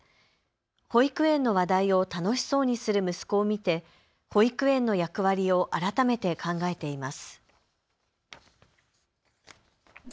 保育園の話題を楽しそうにする息子を見て保育園の役割を改めて考えています。